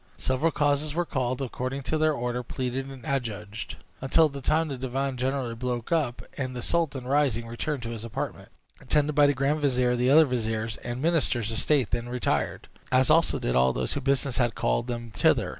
Several causes were called, according to their order, pleaded and adjudged, until the time the divan generally broke up, when the sultan, rising, returned to his apartment, attended by the grand vizier; the other viziers and ministers of state then retired, as also did all those whose business had called them thither.